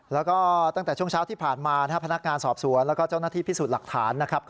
แล้วก็ตั้งแต่ช่วงเช้าที่ผ่านมาพนักงานสอบสวนแล้วก็เจ้าหน้าที่พิสูจน์หลักฐานนะครับ